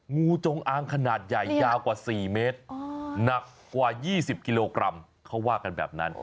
งูจงอางขนาดใหญ่ยาวกว่า๔เมตรหนักกว่า๒๐กิโลกรัมเขาว่ากันแบบนั้น